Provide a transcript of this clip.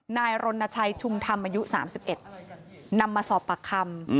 นายรณชัยชุมธรรมอายุ๓๑นำมาสอบปากคำ